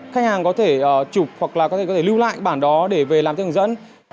khách hàng có thể chụp hoặc là có thể lưu lại bản đó để về làm theo hướng dẫn